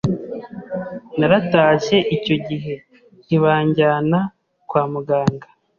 Naratashye icyo gihe ntibanjyana kwa muganga